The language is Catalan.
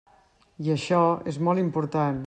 I això és molt important.